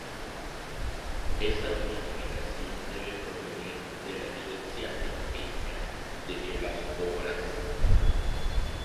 Esa justificación debe provenir de la evidencia empírica de que las obras.